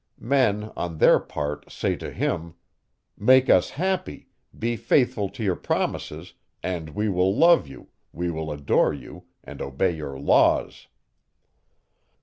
Men, on their part, say to him: Make us happy, be faithful to your promises, and we will love you, we will adore you, and obey your laws.